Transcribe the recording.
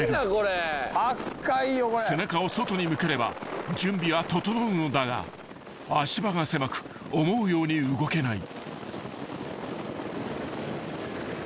［背中を外に向ければ準備は整うのだが足場が狭く思うように動けない］